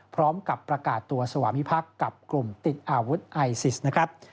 พร้อมกับประกาศตัวสวามิพักษ์กับกลุ่มติดอาวุธไอซิสนะครับ